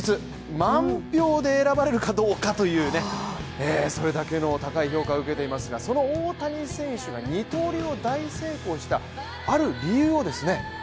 満票で選ばれるかどうかというねそれだけの高い評価を受けていますがその大谷選手が二刀流を大成功したある理由をですね